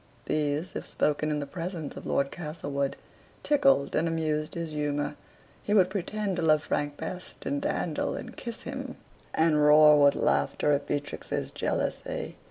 These, if spoken in the presence of Lord Castlewood, tickled and amused his humor; he would pretend to love Frank best, and dandle and kiss him, and roar with laughter at Beatrix's jealousy.